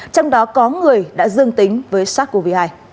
trong đó có người đã dương tính với sars cov hai